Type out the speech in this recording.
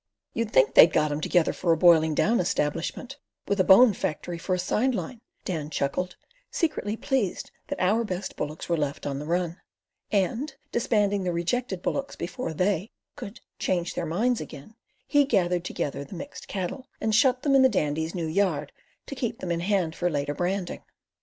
"You'd think they'd got 'em together for a boiling down establishment, with a bone factory for a side line," Dan chuckled, secretly pleased that our best bullocks were left on the run, and, disbanding the rejected bullocks before "they" could "change their minds again," he gathered together the mixed cattle and shut them in the Dandy's new yard, to keep them in hand for later branding.